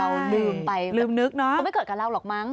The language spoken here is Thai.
ลืมไปลืมนึกเนาะก็ไม่เกิดกับเราหรอกมั้ง